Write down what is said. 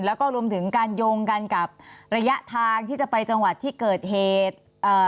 แล้วก็รวมถึงการโยงกันกับระยะทางที่จะไปจังหวัดที่เกิดเหตุเอ่อ